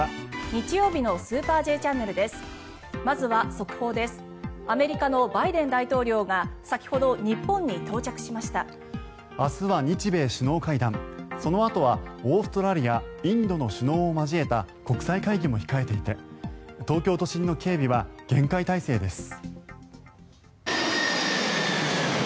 そのあとは、オーストラリアインドの首脳を交えた国際会議も控えていて東京都心の警備は厳戒態勢です。